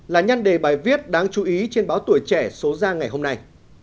là nhân đề bài viết đáng chú ý trên báo tuổi trẻ số ra ngày hôm nay